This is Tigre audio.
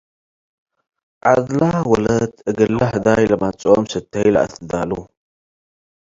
ዐድለ ወለት እግለ ህዳይ ለመጽኦም ስተይ ለአትዳሉ ።